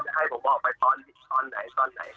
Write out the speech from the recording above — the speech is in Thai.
ได้ให้ผมออกไปตอนตอนไหนตอนไหนก็ได้